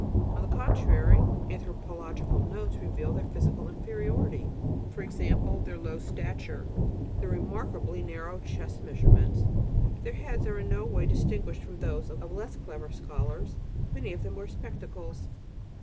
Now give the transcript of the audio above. On the contrary, anthropological notes reveal their physical inferiority, i.e. their low stature and their remarkably narrow chest measurements. Their heads are in no way distinguished from those of less clever scholars; many of them wear spectacles.